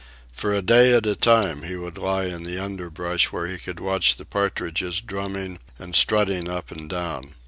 For a day at a time he would lie in the underbrush where he could watch the partridges drumming and strutting up and down.